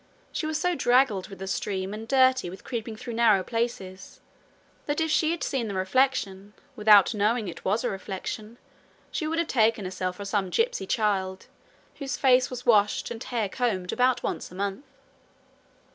She was so draggled with the stream and dirty with creeping through narrow places, that if she had seen the reflection without knowing it was a reflection, she would have taken herself for some gipsy child whose face was washed and hair combed about once in a month.